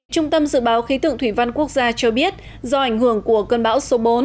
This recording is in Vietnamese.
trung tâm dự báo khí tượng thủy văn quốc gia cho biết do ảnh hưởng của cơn bão số bốn